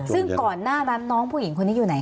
ซึ่งก่อนหน้านั้นน้องผู้หญิงคนนี้อยู่ไหนค